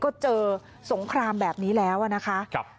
ก็เจอสงครามแบบนี้แล้วนะคะ